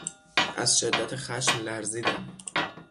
از شدت خشم لرزیدن